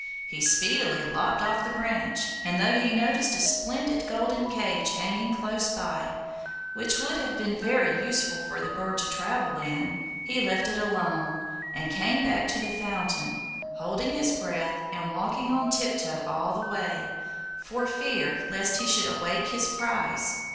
He speedily lopped off the branch, and though he noticed a splendid golden cage hanging close by, which would have been very useful for the bird to travel in, he left it alone, and came back to the fountain, holding his breath and walking on tip toe all the way, for fear lest he should awake his prize.